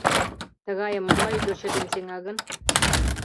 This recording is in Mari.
Тыгайым могай ӱдыр чытен сеҥа гын?